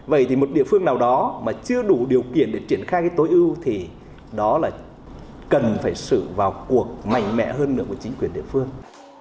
vậy thì một địa phương nào đó mà chưa đủ điều kiện để triển khai cái tối ưu thì đó là cần phải sự vào cuộc mạnh mẽ hơn nữa của chính quyền địa phương